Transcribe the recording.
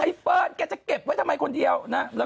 เฟิร์นแกจะเก็บไว้ทำไมคนเดียวนะ